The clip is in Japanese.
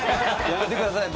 やめてください